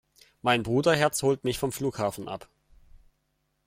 Mein Bruderherz holt mich vom Flughafen ab.